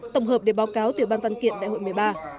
tổng hợp để báo cáo tiểu ban văn kiện đại hội một mươi ba